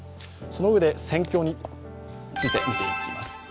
そのうえで戦況について見ていきます。